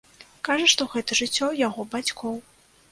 Кажа, што гэта жыццё яго бацькоў.